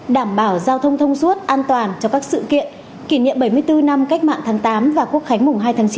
đảm bảo giao thông thông suốt an toàn cho các sự kiện kỷ niệm bảy mươi bốn năm cách mạng tháng tám và quốc khánh mùng hai tháng chín